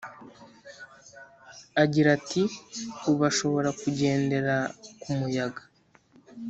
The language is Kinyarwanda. agira ati ubu ashobora kugendera ku muyaga.